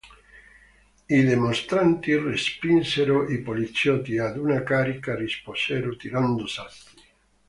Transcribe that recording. I dimostranti respinsero i poliziotti e ad una carica risposero tirando sassi.